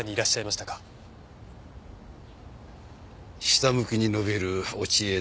下向きに伸びる落ち枝。